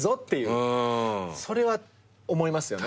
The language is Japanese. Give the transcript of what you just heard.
それは思いますよね。